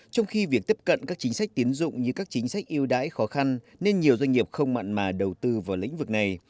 trong khi việc tiếp cận các chính sách tiến dụng như các chính sách yêu đãi khó khăn nên nhiều doanh nghiệp không mặn mà đầu tư vào lĩnh vực này